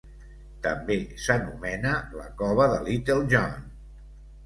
També s'anomena la Cova de Little John.